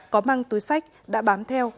có mang túi sách đã bám theo